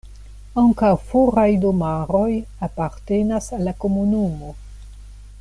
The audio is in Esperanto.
Ankaŭ foraj domaroj apartenas al la komunumo.